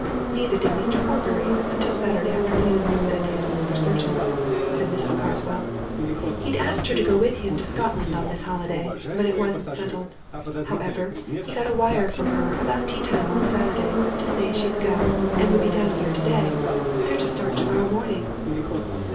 "Neither did Mr. Horbury until Saturday afternoon that is, for certain," said Mrs. Carswell. "He'd asked her to go with him to Scotland on this holiday, but it wasn't settled. However, he got a wire from her, about tea time on Saturday, to say she'd go, and would be down here today. They're to start tomorrow morning."